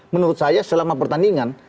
menurut saya selama pertandingan